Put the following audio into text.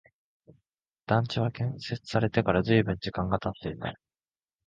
団地は建設されてから随分時間が経っていた